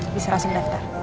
bisa rasain daftar